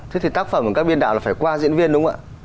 thế thì tác phẩm của các biên đạo là phải qua diễn viên đúng không ạ